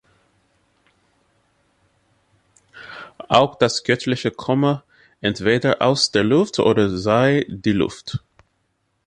Auch das Göttliche komme entweder aus der Luft oder sei die Luft.